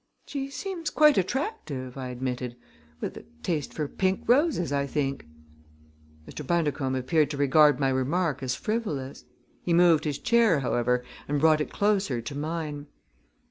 "She seems quite attractive," I admitted, "with a taste for pink roses, I think." Mr. Bundercombe appeared to regard my remark as frivolous. He moved his chair, however, and brought it closer to mine.